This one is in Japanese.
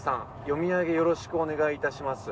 読み上げよろしくお願い致します」